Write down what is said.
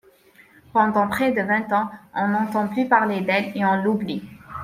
Pendant près de vingt ans, on n’entend plus parler d’elle et on l’oublie.